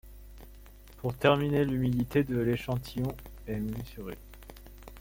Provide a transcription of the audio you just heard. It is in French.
Pour terminer, l’humidité de l’échantillon est mesurée.